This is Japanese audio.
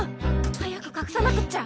早くかくさなくっちゃ。